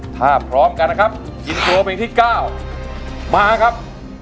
ถ้าพร้อมกันนะครับอินโทรเพลงที่๙มาครับ